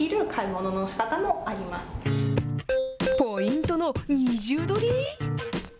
ポイントの二重取り？